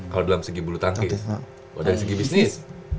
kalau dalam segi bulu tangis